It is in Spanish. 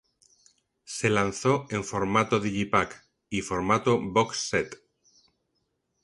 Se lanzó en formato "digipak" y formato "box set".